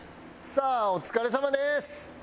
さあお疲れさまです。